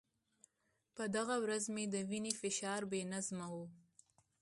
په دغه ورځ مې د وینې فشار بې نظمه و.